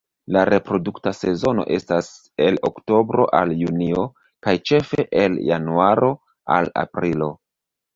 La reprodukta sezono estas el oktobro al junio kaj ĉefe el januaro al aprilo.